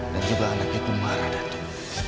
dan juga anak itu marah datuk